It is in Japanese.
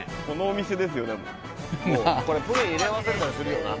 このお店ですよ